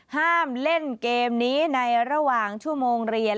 ห้ามเล่นเกมนี้ในระหว่างชั่วโมงเรียน